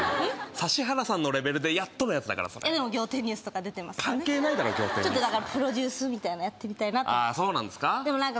指原さんのレベルでやっとのやつだからさでも仰天ニュースとか出てますからね関係ないだろ仰天ニュースはだからプロデュースみたいなやってみたいなとああそうなんですか？